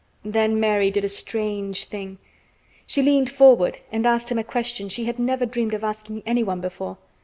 Then Mary did a strange thing. She leaned forward and asked him a question she had never dreamed of asking anyone before.